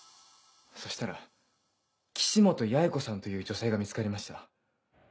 そしたら岸本八重子さんという女性が見つかりました。